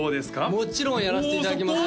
もちろんやらしていただきます